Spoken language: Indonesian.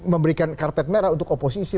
memberikan karpet merah untuk oposisi